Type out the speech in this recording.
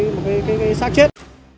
một cái sát chết